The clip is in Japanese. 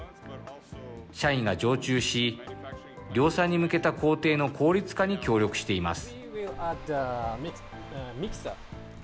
社員が常駐し、量産に向けた工程の効率化に協力しています。